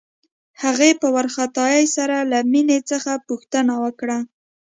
هغې په وارخطايۍ سره له مينې څخه پوښتنه وکړه.